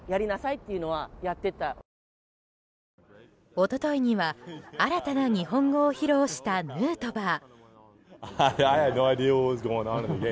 一昨日には新たな日本語を披露したヌートバー。